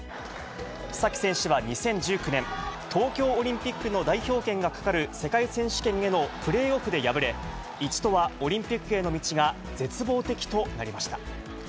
須崎選手は２０１９年、東京オリンピックの代表権がかかる世界選手権へのプレーオフで敗れ、一度はオリンピックへの道が絶望的となりました。